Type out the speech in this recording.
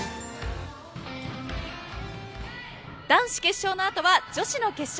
男子決勝の後は女子の決勝。